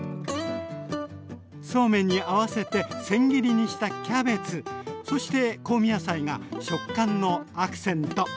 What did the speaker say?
そうめんに合わせてせん切りにしたキャベツそして香味野菜が食感のアクセント。